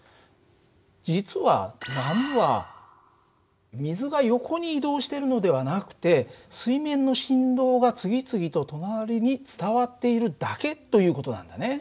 実は波は水が横に移動しているのではなくて水面の振動が次々と隣に伝わっているだけという事なんだね。